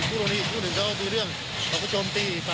มันคือมีปัญหาการตั้งทั้งหนึ่งตอนสมัยภ๕แล้วแหละ